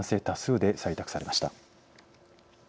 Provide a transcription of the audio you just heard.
多数で採択されました。